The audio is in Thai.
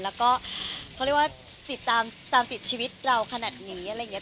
แล้วก็เขาเรียกว่าติดตามติดชีวิตเราขนาดนี้อะไรอย่างนี้